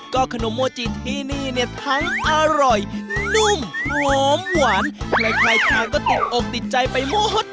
ขนมโมจีนที่นี่เนี่ยทั้งอร่อยนุ่มหอมหวานใครทานก็ติดอกติดใจไปหมด